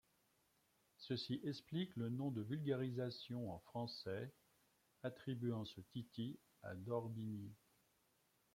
Ceci explique le nom de vulgarisation en français, attribuant ce titi à d'Orbigny.